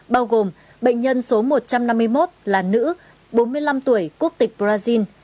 bao gồm bệnh nhân số một trăm năm mươi một là nữ bốn mươi năm tuổi quốc tịch brazil